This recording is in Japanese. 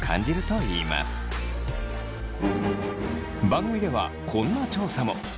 番組ではこんな調査も。